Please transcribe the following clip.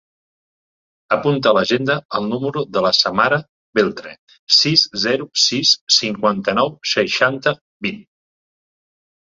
Apunta a l'agenda el número de la Samara Beltre: sis, zero, sis, cinquanta-nou, seixanta, vint.